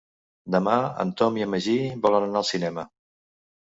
Demà en Tom i en Magí volen anar al cinema.